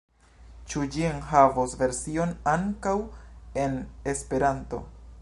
Ĉu ĝi enhavos version ankaŭ en Esperanto?